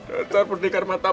gak tahu berdekat mata